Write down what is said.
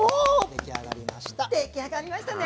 出来上がりましたね！